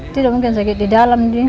tidak mungkin sakit di dalam